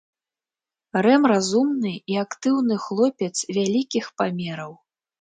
Рэм разумны і актыўны хлопец вялікіх памераў.